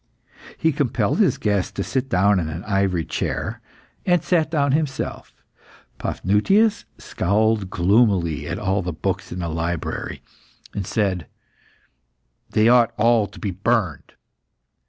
He compelled his guest to sit down in an ivory chair, and sat down himself. Paphnutius scowled gloomily at all the books in the library, and said "They ought all to be burned."